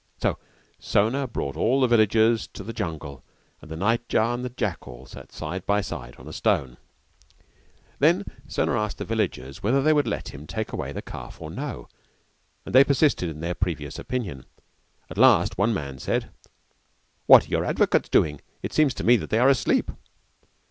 So Sona brought all the villagers to the jungle and the night jar and jackal sat side by side on a stone. Then Sona asked the villagers whether they would let him take away the calf or no, and they persisted in their previous opinion. At last one man said, "What are your advocates doing? it seems to me that they are asleep."